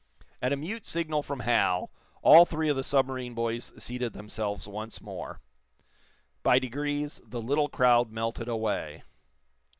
At a mute signal from Hal all three of the submarine boys seated themselves once more. By degrees the little crowd melted away.